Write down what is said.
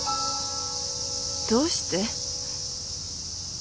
どうして？